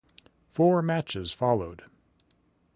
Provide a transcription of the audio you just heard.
Four matches followed.